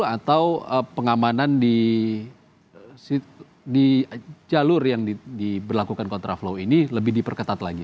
atau pengamanan di jalur yang diberlakukan kontraflow ini lebih diperketat lagi